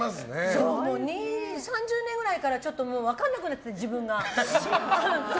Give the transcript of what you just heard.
２０３０年くらいからちょっと分からなくなって自分が。